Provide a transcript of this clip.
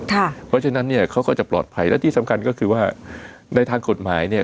เพราะฉะนั้นเนี่ยเขาก็จะปลอดภัยและที่สำคัญก็คือว่าในทางกฎหมายเนี่ย